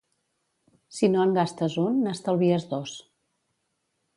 Si no en gastes un, n'estalvies dos.